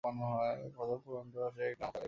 প্রথম পুরন্দর শেখর নামক তার এক পুত্র ছিল।